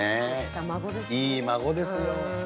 いい孫ですよ。